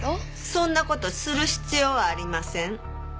そんな事する必要ありません。